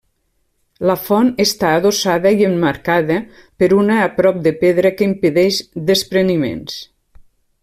La font està adossada i emmarcada per una a prop de pedra que impedeix despreniments.